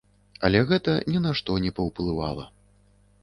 Але гэта ні на што не паўплывала.